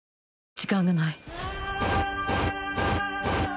時間がない。